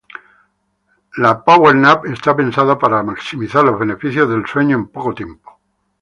La Power Nap está pensada para maximizar los beneficios del sueño en poco tiempo.